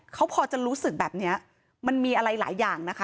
เขาพอจะรู้สึกแบบเนี้ยมันมีอะไรหลายอย่างนะคะ